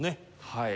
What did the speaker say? はい。